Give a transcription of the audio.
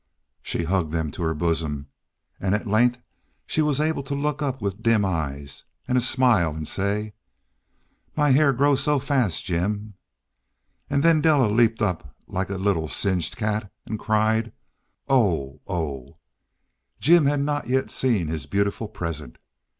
But she hugged them to her bosom, and at length she was able to look up with dim eyes and a smile and say: "My hair grows so fast, Jim!" And then Della leaped up like a little singed cat and cried, "Oh, oh!" Jim had not yet seen his beautiful present.